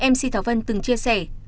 mc thảo vân từng chia sẻ